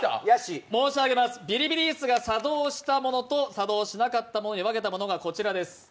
ビリビリ椅子が作動したものと作動しなかったものに分けたものがこちらです